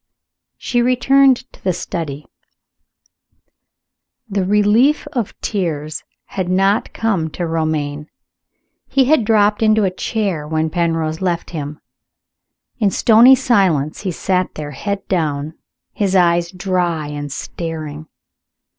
She returned to the study. The relief of tears had not come to Romayne. He had dropped into a chair when Penrose left him. In stony silence he sat there, his head down, his eyes dry and staring.